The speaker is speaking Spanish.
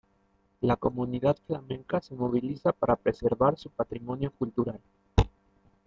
La comunidad flamenca se moviliza para preservar su patrimonio cultural.